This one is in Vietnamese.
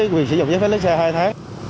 quyền sử dụng giấy phát lý xe hai tháng